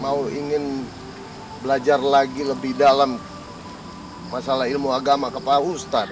mau ingin belajar lagi lebih dalam masalah ilmu agama kepada ustadz